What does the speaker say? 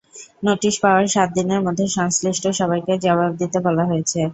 Notice পাওয়ার সাত দিনের মধ্যে সংশ্লিষ্ট সবাইকে জবাব দিতে বলা হয়েছে।